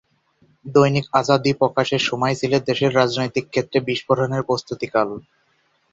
দৈনিক আজাদী প্রকাশের সময় ছিল দেশের রাজনৈতিক ক্ষেত্রে বিস্ফোরণের প্রস্ত্ততিকাল।